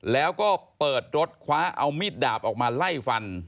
แล้วก็เปิดรถคว้าเอามีดดาบออกมาไล่ฟัน